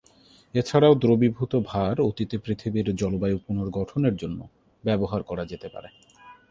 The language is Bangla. এছাড়াও, দ্রবীভূত ভার অতীতে পৃথিবীর জলবায়ু পুনর্গঠনের জন্য ব্যবহার করা যেতে পারে।